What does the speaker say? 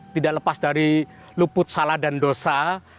tidak lepas dari luput salah dan dosa